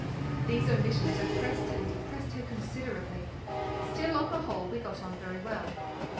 These omissions oppressed and depressed her considerably; still, on the whole, we got on very well.